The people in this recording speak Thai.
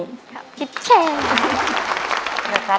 ครับคิดเช่น